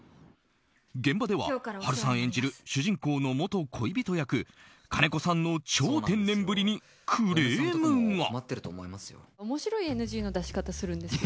現場では波瑠さん演じる主人公の元恋人役、金子さんの超天然ぶりにクレームが。